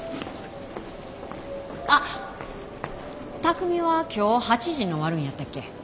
あっ巧海は今日８時に終わるんやったっけ？